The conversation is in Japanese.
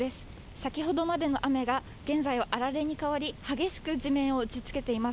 先ほどまでの雨が、現在はあられに変わり、激しく地面を打ちつけています。